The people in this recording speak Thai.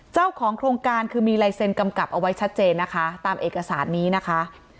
เจ้าของโครงการคือมีลายเซ็นกำกับเอาไว้ชัดเจนนะคะตามเอกสารนี้นะคะ